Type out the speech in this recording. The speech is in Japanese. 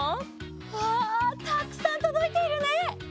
わあたくさんとどいているね。